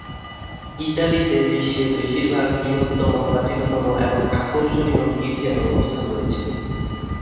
ইতালিতে বিশ্বের বেশিরভাগ বৃহত্তম, প্রাচীনতম এবং আকর্ষণীয় গীর্জার অবস্থান রয়েছে।